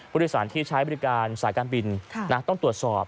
ผู้โดยสารที่ใช้บริการสายการบินต้องตรวจสอบ